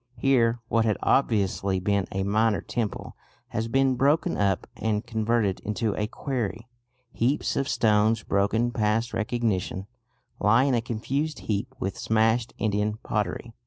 Here what had obviously been a minor temple has been broken up and converted into a quarry. Heaps of stones, broken past recognition, lie in a confused heap with smashed Indian pottery.